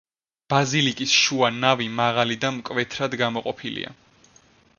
ბაზილიკის შუა ნავი მაღალი და მკვეთრად გამოყოფილია.